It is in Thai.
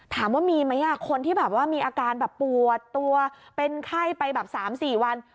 ถามว่ามีไหมคนที่มีอาการปวดตัวเป็นไข้ไป๓๔วัน